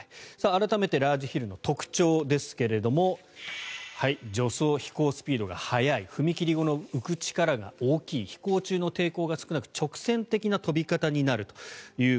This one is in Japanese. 改めてラージヒルの特徴ですが助走、飛行スピードが速い踏み切り後の浮く力が大きい飛行中の抵抗が少なく直線的な飛び方になると。